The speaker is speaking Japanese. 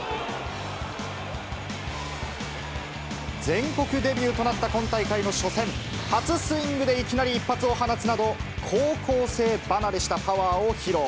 全国デビューとなった今大会の初戦、初スイングでいきなり一発を放つなど、高校生離れしたパワーを披露。